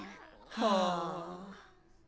はあ。